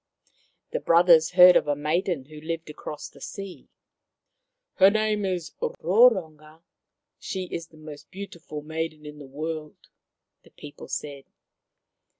The brothers heard of a maiden who lived across the sea. " Her name is Roronga. She is the most beautiful maiden in the world/' the people said.